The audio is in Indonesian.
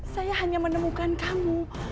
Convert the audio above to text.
saya hanya menemukan kamu